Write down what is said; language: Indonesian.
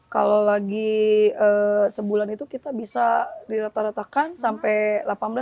kalau lagi sebulan itu kita bisa dirata ratakan sampai rp delapan belas dua puluh juta